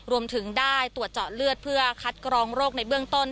รวมถึงได้ตรวจเจาะเลือดเพื่อคัดกรองโรคในเบื้องต้น